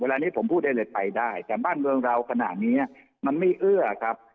เวลานี้ผมพูดได้เลยไปได้แต่บ้านเมืองเราขนาดนี้มันไม่เอื้อครับ